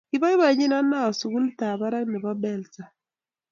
Kiboibochin Anao sukulitap barak nebo Belsa